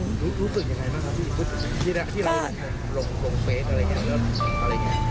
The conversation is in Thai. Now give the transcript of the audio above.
รู้สึกยังไงบ้างครับพี่ที่ร้านลงเฟสอะไรอย่างนี้